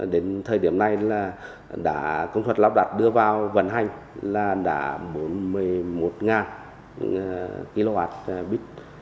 đến thời điểm này công thuật lắp đặt đưa vào vận hành là đã bốn mươi một kwh bit